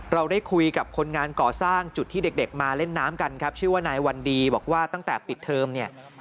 เราได้คุยกับคนงานก่อสร้างจุดที่เด็กมาเล่นน้ำกันครับชื่อว่านายวันดีบอกว่าตั้งแต่ปิดเทอมเนี่ย